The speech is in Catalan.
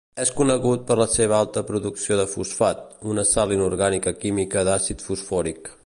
És conegut per la seva alta producció de fosfat, una sal inorgànica química d'àcid fosfòric.